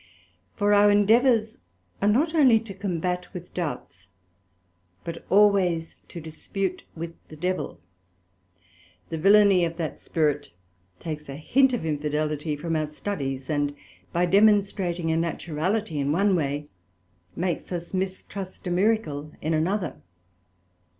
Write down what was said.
For our endeavours are not only to combat with doubts, but always to dispute with the Devil: the villany of that Spirit takes a hint of Infidelity from our Studies, and by demonstrating a naturality in one way, makes us mistrust a miracle in another.